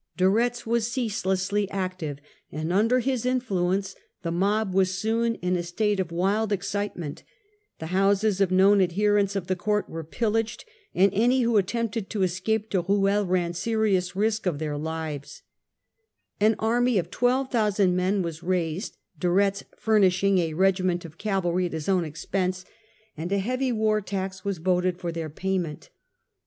De Retz was ceaselessly active, and under his influence the mob was soon in a state of wild excitement; the houses of known adherents of the court were pillaged, and any who attempted to escape to Ruel ran serious risk of their Organisa ^ ves * An arm y °f I2 > 000 men was raised, tion of Paris. De Retz furnishing a regiment of cavalry at his own expense ; and a heavy war tax was voted for their payment.